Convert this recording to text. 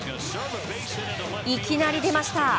いきなり出ました！